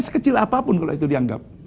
sekecil apapun kalau itu dianggap